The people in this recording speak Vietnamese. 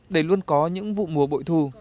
để luôn có những vụ mùa bội thu